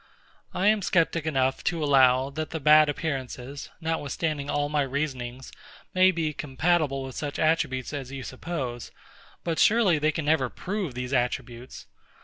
I am Sceptic enough to allow, that the bad appearances, notwithstanding all my reasonings, may be compatible with such attributes as you suppose; but surely they can never prove these attributes.